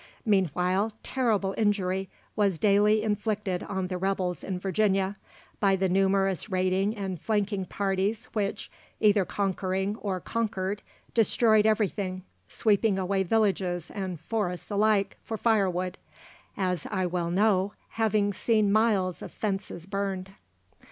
Meanwhile, terrible injury was daily inflicted on the rebels in Virginia, by the numerous raiding and flanking parties which, whether conquering or conquered, destroyed everything, sweeping away villages and forests alike for firewood, as I well know, having seen miles of fences burned.